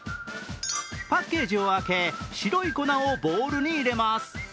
パッケージを開け白い粉をボウルに入れます。